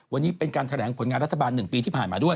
วันนี้เป็นการแถลงผลงานรัฐบาล๑ปีที่ผ่านมาด้วย